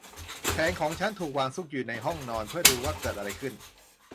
แผนของฉันถูกวางซุกในห้องนอน เพื่อดูว่าเกิดอะไรขึ้น